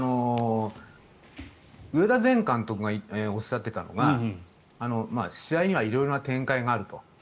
上田前監督がおっしゃっていたのが試合には色々な展開があると。